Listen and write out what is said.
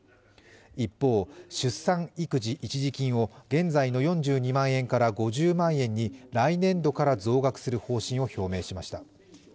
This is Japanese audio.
一方、出産育児一時金を現在の４２万円から５０万円に来年度から増額する方針を表明しました。